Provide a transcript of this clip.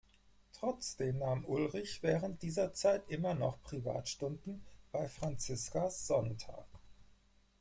Trotzdem nahm Ulrich während dieser Zeit immer noch Privatstunden bei Franziska Sontag.